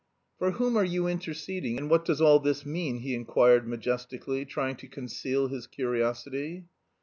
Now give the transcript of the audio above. "For whom are you interceding, and what does all this mean?" he inquired majestically, trying to conceal his curiosity.